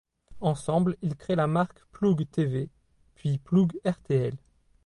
Ensemble, ils créent la marque Plug tv puis Plug rtl.